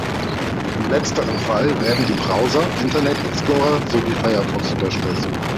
Im letzteren Fall werden die Browser Internet Explorer sowie Firefox unterstützt.